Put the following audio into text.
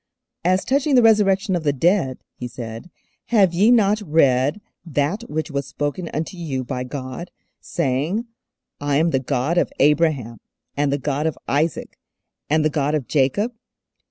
'As touching the Resurrection of the dead,' He said, '_have ye not read that which was spoken unto you by God, saying, I am the God of Abraham, and the God of Isaac, and the God of Jacob?